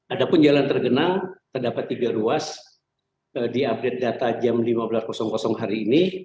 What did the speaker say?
ada pun jalan tergenang terdapat tiga ruas di update data jam lima belas hari ini